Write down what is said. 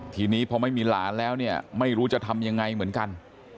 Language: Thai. ทีนี้พอไม่มีหลานแล้วเนี่ยไม่รู้จะทำยังไงเหมือนกัน